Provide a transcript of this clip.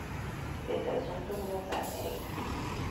leta zunze ubumwe za america